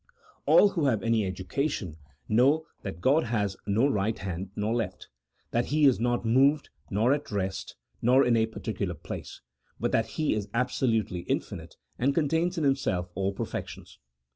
All who have any education know that God has 94 A THE0L0GIC0 P0LITICAL TREATISE. [CHAP. VI. no right hand nor left ; that He is not moved nor at rest, nor in a particular place, but that He is absolutely infinite and contains in Himself all perfections.